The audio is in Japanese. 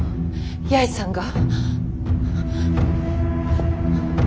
八重さんが。